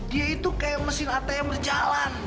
dia itu kayak mesin at yang berjalan